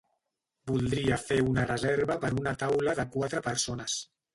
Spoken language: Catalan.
Voldria fer una reserva per una taula de quatre persones.